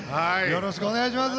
よろしくお願いします。